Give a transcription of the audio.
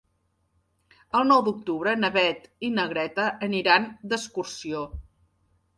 El nou d'octubre na Beth i na Greta aniran d'excursió.